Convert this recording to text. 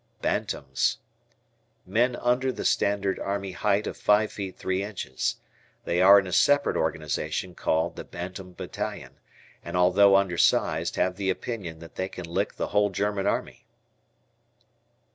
Bantams. Men under the standard army height of 5 ft. 3 in. They are in a separate organization called "The Bantam Battalion," and although undersized have the opinion that they can lick the whole German Army.